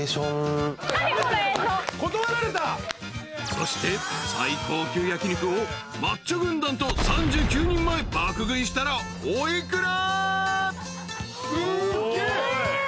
そして、最高級焼き肉をマッチョ軍団と３９人前爆食いしたらおいくら？